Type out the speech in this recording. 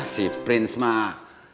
si prins mah